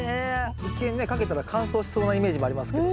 一見ねかけたら乾燥しそうなイメージもありますけど。